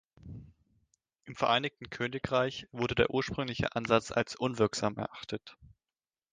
Im Vereinigten Königreich wurde der ursprüngliche Ansatz als unwirksam erachtet.